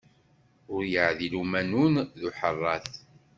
Ur yeɛdil umanun d uḥeṛṛat.